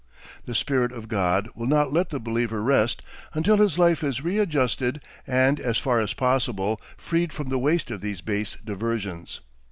The spirit of God will not let the believer rest until his life is readjusted and as far as possible freed from the waste of these base diversions.